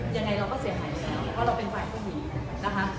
ยังไงเราก็เสียหายอยู่แล้วเพราะเราเป็นฝ่ายผู้หญิงนะคะ